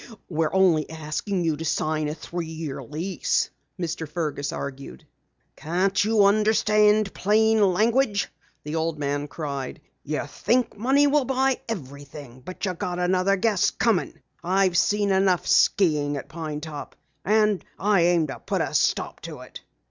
"We're only asking you to sign a three year lease " Mr. Fergus argued. "Can't you understand plain language?" the old man cried. "You think money will buy everything, but you got another guess coming. I've seen enough skiing at Pine Top and I aim to put a stop to it!"